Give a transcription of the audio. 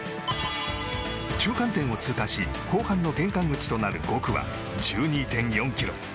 中間点を通過し後半の玄関口となる５区は１２．４ｋｍ。